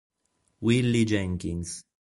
Willie Jenkins